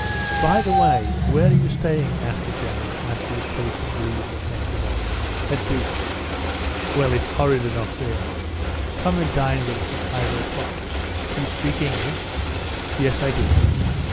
"By the way, where are you staying?" asked the General as he was taking leave of Nekhludoff. "At Duke's? Well, it's horrid enough there. Come and dine with us at five o'clock. You speak English?" "Yes, I do."